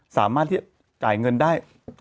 สามารถที่จะจ่ายเงินได้